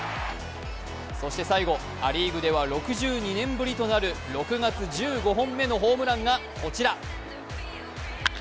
そして最後、ア・リーグでは６２年ぶりとなる６月１５本目のホームランがこちら。